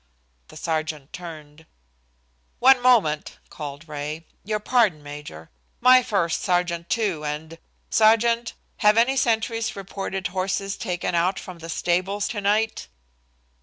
The sergeant turned. "One moment," called Ray, "your pardon, Major My first sergeant, too, and sergeant, have any sentries reported horses taken out from the stables to night?"